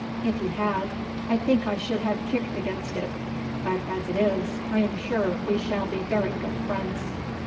If he had, I think I should have kicked against it; but as it is, I am sure we shall be very good friends."